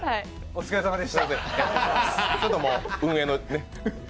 お疲れさまでした。